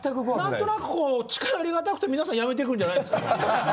何となく近寄りがたくて皆さん辞めていくんじゃないですか？